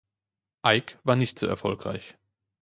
Ike war nicht so erfolgreich.